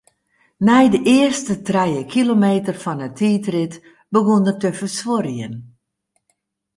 Nei de earste trije kilometer fan 'e tiidrit begûn er te fersuorjen.